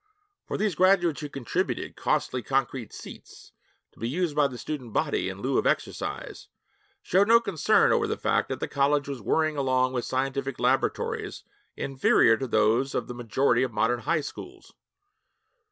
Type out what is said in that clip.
For these graduates who contributed costly concrete seats, to be used by the student body in lieu of exercise, showed no concern over the fact that the college was worrying along with scientific laboratories inferior to those of the majority of modern high schools.